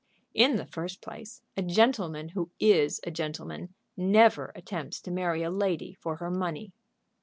"In the first place, a gentleman who is a gentleman never attempts to marry a lady for her money."